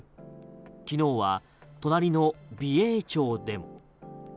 昨日は隣の美瑛町でも。